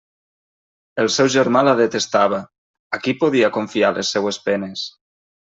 El seu germà la detestava; a qui podia confiar les seues penes?